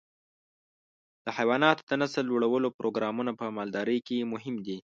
د حيواناتو د نسل لوړولو پروګرامونه په مالدارۍ کې مهم دي.